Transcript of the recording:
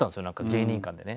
芸人間でね。